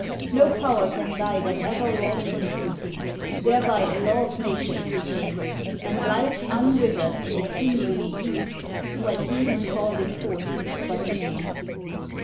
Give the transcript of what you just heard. No power can die that ever wrought for Truth; Thereby a law of Nature it became, And lives unwithered in its sinewy youth, When he who called it forth is but a name.